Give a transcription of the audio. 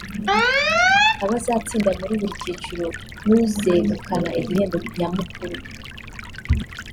Abazatsinda muri buri cyiciro n’uzegukana igihembo nyamukuru